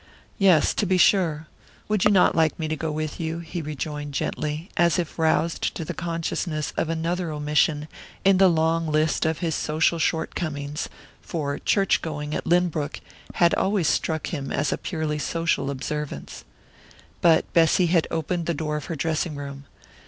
"Yes to be sure. Would you not like me to go with you?" he rejoined gently, as if roused to the consciousness of another omission in the long list of his social shortcomings; for church going, at Lynbrook, had always struck him as a purely social observance. But Bessy had opened the door of her dressing room.